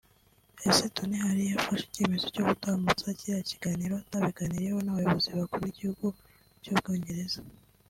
Ese Tony Hall yafashe icyemezo cyo gutambutsa kiriya kiganiro atabiganiriyeho n’abayobozi bakuru b’igihugu cy’u Bwongereza